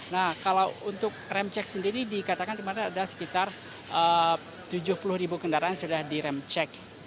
nah kalau untuk rem cek sendiri dikatakan kemarin ada sekitar tujuh puluh kendaraan sudah di rem cek